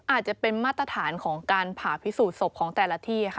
อาจจะเป็นมาตรฐานของการผ่าพิสูจนศพของแต่ละที่ค่ะ